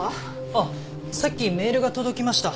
あっさっきメールが届きました。